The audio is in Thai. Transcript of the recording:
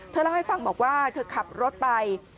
เล่าให้ฟังบอกว่าเธอขับรถไป